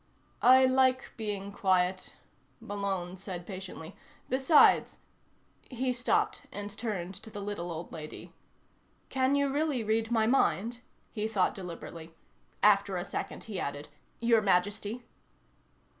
"I like being quiet," Malone said patiently. "Besides " He stopped and turned to the little old lady. Can you really read my mind? he thought deliberately. After a second he added: ... _your Majesty?